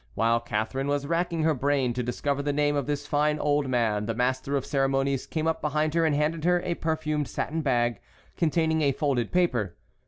While Catharine was racking her brain to discover the name of this fine old man the master of ceremonies came up behind her and handed her a perfumed satin bag containing a folded paper.